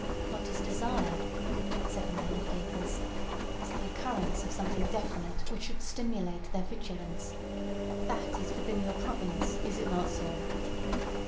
"What is desired," said the man of papers, "is the occurrence of something definite which should stimulate their vigilance. That is within your province—is it not so?"